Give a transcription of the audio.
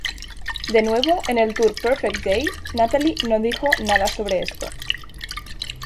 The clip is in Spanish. De nuevo, en el Tour Perfect Day, Natalie no dijo nada sobre esto.